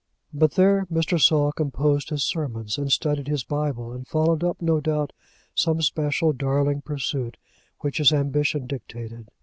But there Mr. Saul composed his sermons, and studied his Bible, and followed up, no doubt, some special darling pursuit which his ambition dictated.